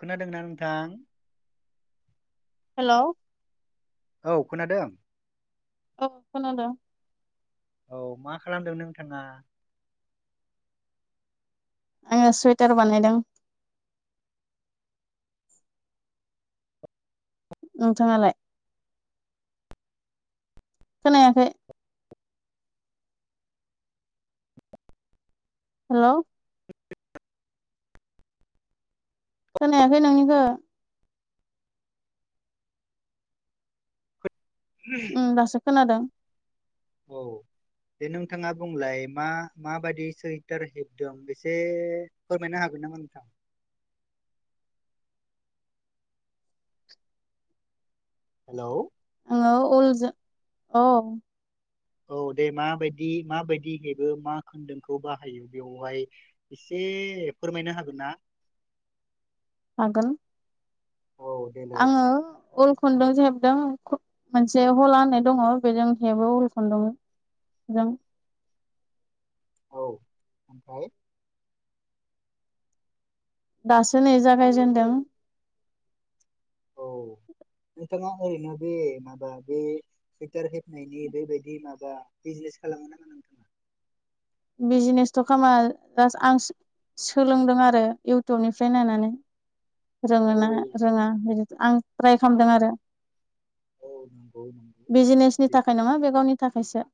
खोनादोंना नोंथां। हेलौ। औ खोनादों। औ खोनादों। औ मा खालामदों नोंथाङा? आङो सुइटार बानायदों। नोंथाङालाय खोनायाखै। हेलौ। खोनायाखै नोंनिखौ। ओम दासो खोनादों। औ दे नोंथाङा बुंलाय मा माबायदि सुइटार हेबदों एसे फोरमायनो हागोन नामा नोंथां। हेलौ। [inaudible] उलजो औ औ दे माबायदि माबायदि हेबो मा खोन्दोंखौ बाहायो बेवहाय एसे फोरमायनो हागोन ना? हागोन। औ देलाय आङो उल खुन्दुंजो हेबदों मोनसे हला होननाय दङ बेजों हेबो उल खुन्दुं जों औ ओमफ्राय। दासो नै जागायजेनदों। औ नोंथाङा ओरैनो बे माबा बे सुइटार हेबनायनि बेबायदि माबा बिजिनेस खालामो नामा नोंथाङा? बिजिनेसथ' खालामा जास आं सोलोंदों आरो इउटुबनिफ्राय नायनानै। औ रोङो ना रोङा बिदि। आं ट्राइ खामदों आरो। औ नंगौ नंगौ बिजिनेसनि बेथ' थाखाय नङा बे गावनि थाखायसो।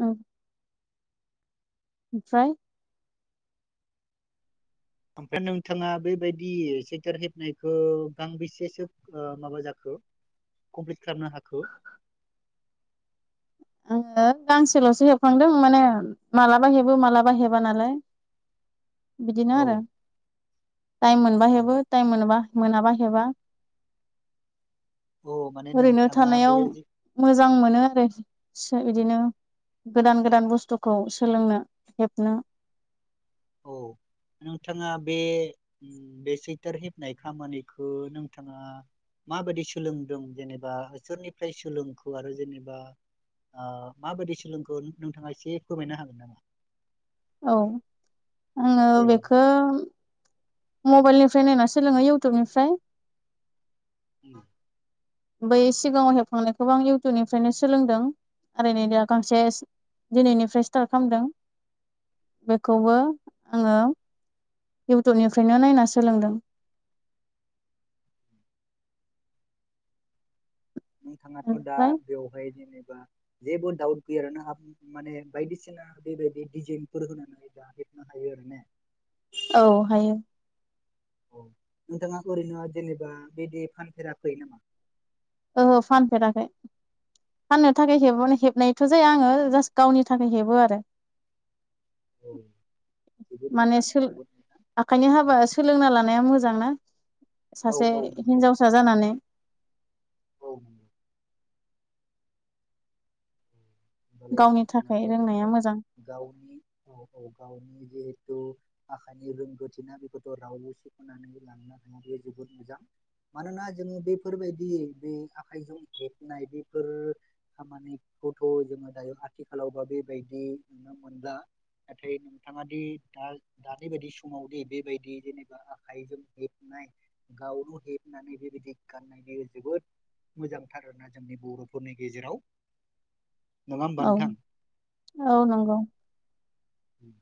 औ ओमफ्राय। ओमफ्राय नोंथाङा बेबायदि सैटार हेबनायखौ गांबेसेसो ओ माबा जाखो कमप्लिट खालामनो हाखो। आङो गांसेल'सो हेबखांदों माने मालाबा हेबो मालाबा हेबा नालाय। बिदिनो औ आरो टाइम मोनबा औ हेबो टाइम मोनाबा मोनाबा हेबा। औ माने ओरैनो नोंथाङा बे थानायाव जि मोजां मोनो आरो। से बिदिनो गोदान गोदान बुस्थुखौ सोलोंनो हेबनो। औ नोंथाङा बे बे सैइटार हेबनाय खामानिखौ नोंथाङा माबायदि सोलोंदों जेनेबा सोरनिफ्राय सोलोंखो आरो जेनेबा ओ माबायदि सोलोंखो नोंथाङा एसे फोरमायनो हागोन नामा? औ। आङो देलाय? बेखौ मबाइलनिफ्राय नायना सोलोङो इउटुबनिफ्राय। उम। बै सिगाङाव हेबखांनायखौबो आं इउटुबनिफ्रायनो सोलोंदों आरो नै दा गांसे दिनैनिफ्राय स्टार्ट खालामदों बेखौबो आङो इउटुबनिफ्रायनो नायना सोलोंदों। नोंथाङाथ' दा ओमफ्राय बेवहाय जेनेब बा जेबो दाउट गैया आरोना माने बायदिसिना बेबायदि डिजाइनफोर होनानै दा हेबनो हायो आरो ने। औ हायो। औ नोंथाङाथ' ओरैनो जेनेबा बिदि फानफेराखै नामा? ओहो फानफेराखै फाननो थाखाय हेबबानो हेबनायथ' जाया आङो जास्ट गावनि थाखाय हेबो आरो। औ जोबोद माने मोजां सोल जोबोद मोजां आखाइनि हाबा सोलोंना लानाया मोज जां ना। औ सासे औ नंगौ हिनजावसा नंगौ जानानै औ नोंगौ। होमबालाय गावनि थाखाय नोंथाङाथ' रोंनाया जेनेबा मोजां गावनि औ औ गावनि जिहेथु आखाइनि रोंगौथि ना बेखौथ' रावबो सेख'नानै लांनो हाया बे जोबोद मोजां मानोना जोङो बेफोरबायदि बे आखाइजों हेबनाय बेफोर खामानिखौथ' जोङो दायो आथिखालाव बा बेबायदि नुनो मोनला नाथाय नोंथाङा दि दा दानि बायदि समावदि बेबायदि जेनेबा आखाइजों हेबनाय गावनो हेबनानै बेबायदि गाननायनि जोबोद मोजांथार आरोना जोंनि बर'फोरनि गेजेराव। नङा होमबा औ नोंथां औ नंगौ। उम।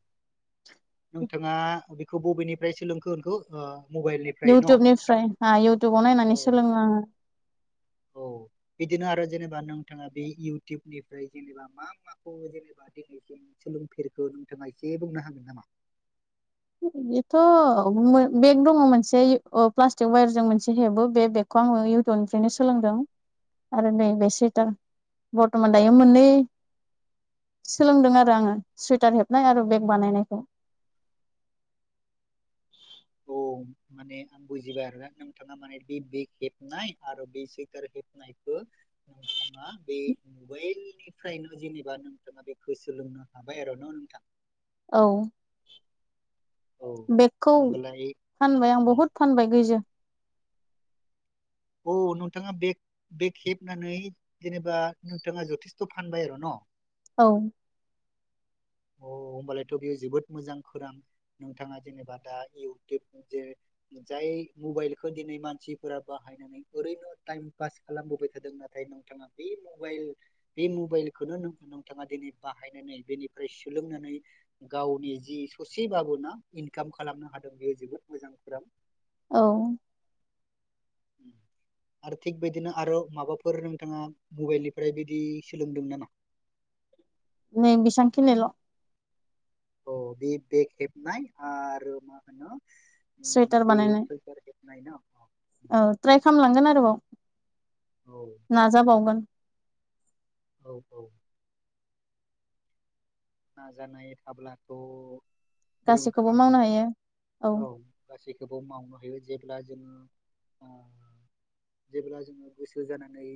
नोंथाङा अबे खौ बबेनिफ्राय सोलोंखो होनखो ओ मबाइलनिफ्राय न' औ इउटुबनिफ्राय नाय इउटुबाव नायनानै सोलोङो आङो। औ बिदिनो आरो जेनेबा नोंथाङा बे इउटुबनिफ्राय जेनेबा मा माखौ जेनेबा दिनैसिम सोलोंफेरखो नोंथाङा एसे बुंनो हागोन नामा? बेथ'मो बेग दङ मोनसे अ प्लास्टिक वायारजों मोनसे हेबो बे बेगखौ आङो इउटुबनिफ्रायनो सोलोंदों आरो नै बे औ सुइटार। बर्थ'मान दायो मोननै सोलोंदों आरो आङो सुइटार हेबनाय आरो बेग बानायनायखौ। औ माने आं बुजिबाय आरोना नोंथाङा माने बे बेग हेबनाय आरो बे सुइटार हेबनायखो नोंथाङा बे मबेलनिफ्रायनो जेनेबा नोंथाङा बेखौ सोलोंनो हाबाय आरो न' नोंथां? औ। औ बेगखौ होमबालाय फानबाय आं बहुद फानबाय गैजा औ नोंथाङा बेग बेग हेबनानै जेनेबा नोंथाङा जथेस्थ' फानबाय आरो न'? औ। अ' होमबालायथ' बेयो जोबोद मोजां खोरां नोंथाङा जेनेबा दा इउटुब जे जाय मबेलखौ दिनै मानसिफोरा बाहायनानै ओरैनो टाइम पास खालामबोबाय थादों नाथाय नोंथाङा बे मबाइल बे मबेलखौनो नों नोंथाङा दिनै बाहायनानै बेनि फ्राय सोलोंनानै गावनि जि ससेबाबोना इनकाम खालामनो हादों बेयो जोबोद मोजां खौरां औ आरो थिग बिदिनो आरो माबाफोर नोंथाङा मबेलनिफ्राय बिदि सोलोंदों नामा नै बेसांखिनिल औ बे बेग हेबनाय आरो मा होनो उम, सुइटार बे बानायनाय सुइटार हेबनाय ना अ, उम, औ ट्राइ खालामलांगोन आरोबाव औ नाजाबावगोन औ औ नाजानाय थाब्लाथ गासैखौबो रोंखागोन मावनो हायो औ गासैखौबो मावनो हायो जे जेब्ला जोङो ओ जेब्ला जोङो गोसो जानानै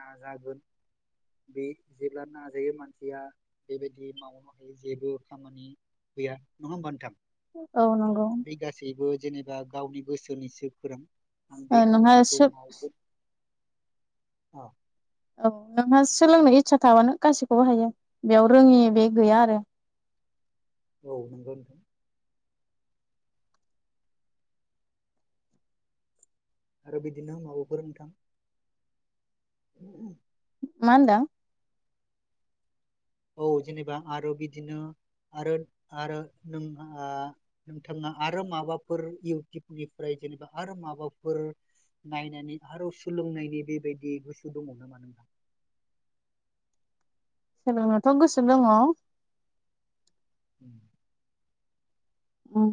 नाजागोन बे जेब्ला नाजायो मानसिया बेबायदि दि मावनो हायो जेबो खामानि गैया नङा होमबा नोंथां औ नंगौ बे गासैबो जेने बा गावनि गोसोनिसो फोरों आं बे ओ नोंहा खामानिखौ सो मावगोन औ औ नोंहा सोलोंनो इस्सा थाबानो गासिखौबो हायो बेयाव रोङि बे गैया आरो औ नोंगोन आरो बिदिनो माबाफोर नोंथां [unintelligible] मा होनदों औ जेनेबा आरो बिदिनो आरो आरो नों नोंथांङा आरो माबाफोर इउटुबनिफ्राय जेनेबा आरो माबाफोर नायनायनि आरो सोलोंनायनि बेबायदि गोसो दङ नामा नोंथांहा सोलोंनोथ गोसो दङ उम उम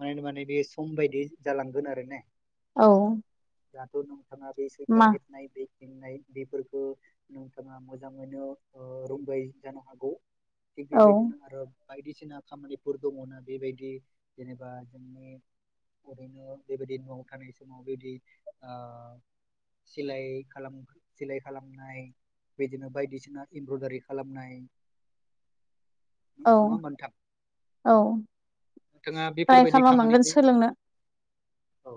मान माने बे सम बायदि जालांगोन आरो ने औ दाथ नों नोंथांङा बे मा सुइतार हेबनाय बे नाय बेफोरखो नोंथाङा मोजाङैनो ओ रोंबाय जानो हागौ थिग औ बेबायदिनो आरो बायदिसिना खामानिफोर दङना बेबायदि जेनेबा जोंनि ओरैनो बेबायदि न'आव थानाय समाव बेदि ओ सिलाय खालाम सिलाय खालामनाय बिदिनो बायदिसिना एमब्रयदारि खालामनाय औ औ नोंथांङा ट्राइ बेफोरबायदि खालामनांगोन खामानिखौ सोलोंनो औ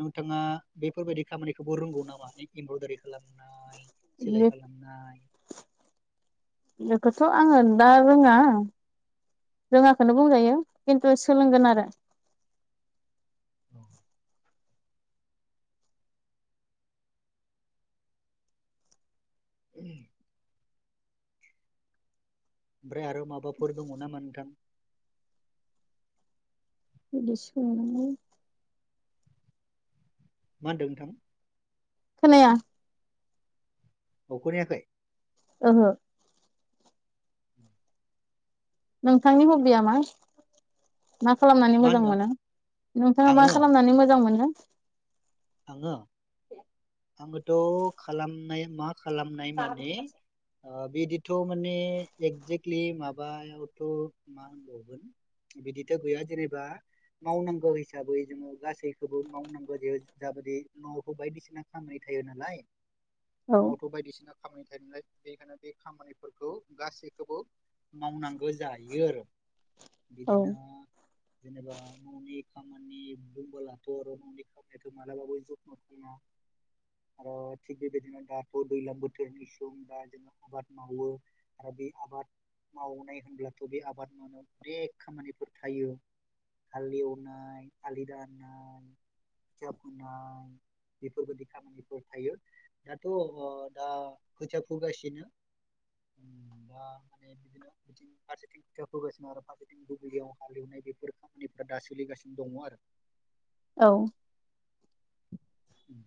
नोंथांङा बेफोरबायदि खामानिखौबो रोंगौ नामा एमब्रदारि खालामनाय सिलाय बे खालामनाय खौथ आंङो दा रोंङा रोंङाखौनो बुंजायो खिन्थु सोलोंगोन आरो उम ओमफ्राय आरो माबाफोर दङ नामा नोंथां बिदि सोनानै मा होन्दों नोंथां खोनाया ओ खोनायाखै ओहो नोंथांनि हबिया मा मा खालामनानै मा मोजां होनदों मोनो नोंथांङा मा खालामनानै मोजां मोनो। [inaudible] आंङो आंङोथ खालामनाय मा खालामनाय माने ओ बिदिथ माने एकजेक्टलि माबायावथमा होनबावगोन बिदिथ गैया जेनेबा मावनांगौ हिसाबै जोंङो गासैखौबो मावनांगौ जे जाबायदि नखौ बायदिसिना खामनाय थायो नालाय औ नआवथ बायदिसिना खामानि थायो नालाय बेनिखायनो बे खामानिफोरखौ गासैखौबो मावनांगौ जायो आरो औ बिदिनो जेनेबा खामानि बुंबोलाथ [unintelligible] मालाबाबो जथन खङा आरो थिग बेबायदिनो दाथ दैज्लां बोथोरनि सम दा जदिनो आबाद मावो आरो बे आबाद मावनाय होनब्लाथ बे आबाद मावनायाव अनेक खामानिफोर थायो हाल एवनाय आलि दाननाय खोथिया फोनाय बेफोरबायदि खामानिफोर थायो दाथ अ दा खोथिया फोगासिनो दा माने बिदिनो बिदि फारसेथिं खोथिया फोगासिनो आरो फारसेथिं बुब्लियाव हालेवनाय बेफोर खामानिफोरा दा सोलिगासिनो दंङ आरो औ उम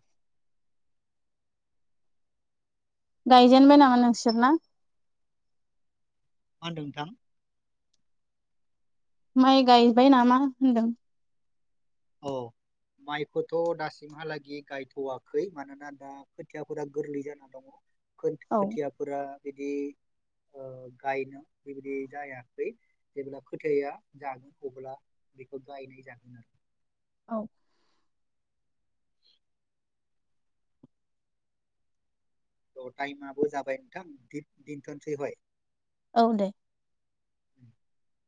गायजेनबाय नामा नोंसोरना मा होन्दों नोंथां माइ गायबाय नामा होनदों औ माइखौथ दासिमहालागि गायथवाखै मानोना दा खोथियाफोरा गोरलै जाना दंङ औ खथिया फुरा बिदि गायनो ओ बेबायदि जायाखै जेब्ला खोथाया जागोन अब्ला बेखौ गायनाय जागोन आरो औ टाइमाबो जाबाय नोंथां दिन्थसै हय औ दे [unintelligible]